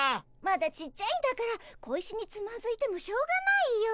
まだちっちゃいんだから小石につまずいてもしょうがないよ。